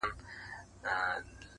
هڅه تل پرمختګ راولي.